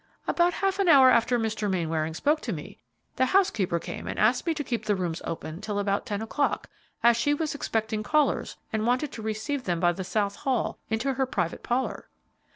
"About half an hour after Mr. Mainwaring spoke to me, the housekeeper came and asked me to keep the rooms open till about ten o'clock, as she was expecting callers and wanted to receive them by the south hall into her private parlor."